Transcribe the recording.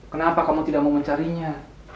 kenapa kamu tidak mau mencarinya